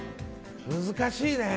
難しいね。